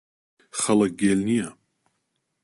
خەڵک گێل نییە.